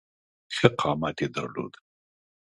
ښه قامت یې درلود.